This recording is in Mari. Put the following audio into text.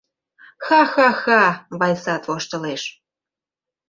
— Ха-ха-ха, — Вайсат воштылеш.